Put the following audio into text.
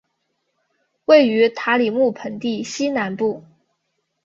位于塔里木盆地西南部。